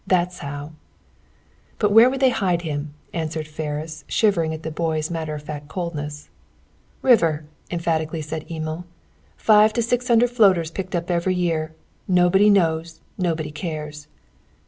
That's how!" "But where would they hide him?" answered Ferris, shivering at the boy's matter of fact coldness. "RIVER!" emphatically said Emil. "Five to six hundred floaters picked up every year. Nobody knows; nobody cares!